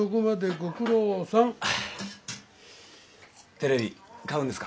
テレビ買うんですか？